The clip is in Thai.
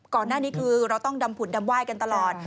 ก่อนหน้านี้คือเราต้องดำผุดดำไห้กันตลอด